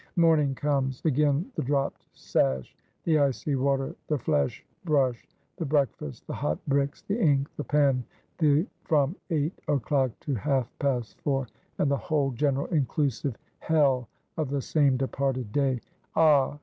Morning comes; again the dropt sash, the icy water, the flesh brush, the breakfast, the hot bricks, the ink, the pen, the from eight o'clock to half past four, and the whole general inclusive hell of the same departed day. Ah!